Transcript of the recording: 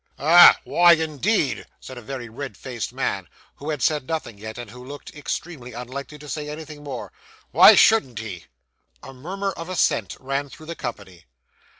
'Ah! Why, indeed!' said a very red faced man, who had said nothing yet, and who looked extremely unlikely to say anything more. 'Why shouldn't he?' A murmur of assent ran through the company.